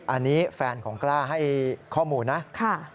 อันนี้แฟนของกล้าให้ข้อมูลนะ